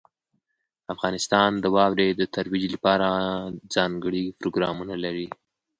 افغانستان د واورې د ترویج لپاره ځانګړي پروګرامونه لري.